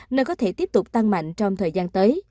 nơi có thể tiếp tục tăng mạnh trong thời gian tới